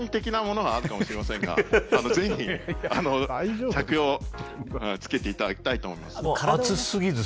デザイン的なところはあるかもしれませんが、ぜひ着用していただきたいと思います。